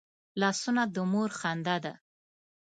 لاسونه د مور خندا ده